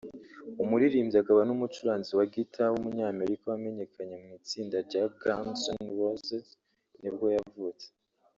umuririmbyi akaba n’umucuranzi wa guitar w’umunyamerika wamenyekanye mu itsinda rya Guns N’ Roses nibwo yavutse